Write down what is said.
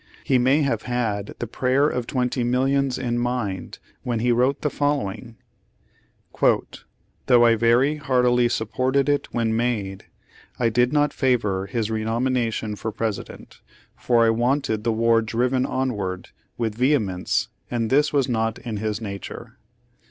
He may have had "The Prayer of Twenty Millions" in mind when he wrote the following : "Though I very heartily supported it when made, I did not favor his renomination for President; for I wanted the war driven onward with vehemence and this was not in his nature.